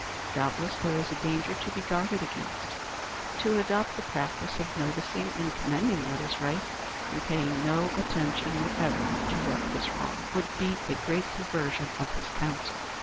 Doubtless there is a danger to be guarded against. To adopt the practice of noticing and commending what is right, and paying no attention whatever to what is wrong, would be a great perversion of this counsel.